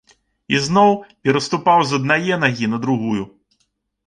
І зноў пераступаў з аднае нагі на другую.